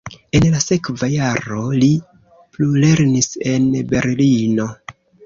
En la sekva jaro li plulernis en Berlino.